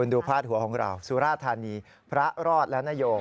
พาดหัวของเราสุราธานีพระรอดแล้วนโย